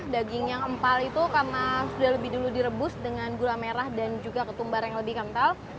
daging yang empal itu karena sudah lebih dulu direbus dengan gula merah dan juga ketumbar yang lebih kental